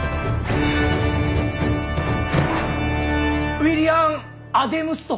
「ウィリアムアデムス」と。